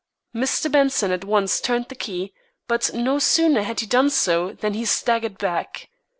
Mr. Benson at once turned the key, but no sooner had he done so than he staggered back.